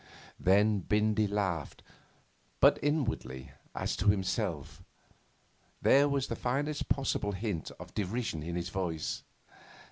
Then Bindy laughed, but inwardly, as to himself. There was the faintest possible hint of derision in his voice.